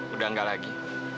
udah gak lagi